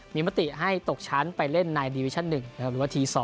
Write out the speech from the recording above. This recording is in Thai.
มีมติให้ตกชั้นไปเล่นในดีวิชั่น๑หรือว่าที๒